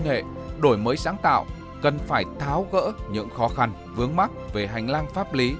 nghệ đổi mới sáng tạo cần phải tháo gỡ những khó khăn vướng mắt về hành lang pháp lý